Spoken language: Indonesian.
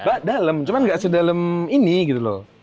gak dalem cuman gak sedalem ini gitu loh